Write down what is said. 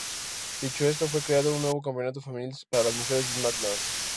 Dicho esto, fue creado un nuevo campeonato femenil para las mujeres de SmackDown.